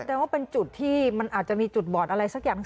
ว่าเป็นจุดที่มันอาจจะมีจุดบอดอะไรสักอย่าง